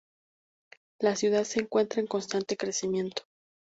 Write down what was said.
La ciudad se encuentra en constante crecimiento.